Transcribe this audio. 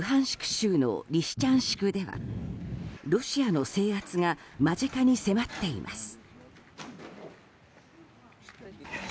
州のリシチャンシクではロシアの制圧が間近に迫っています。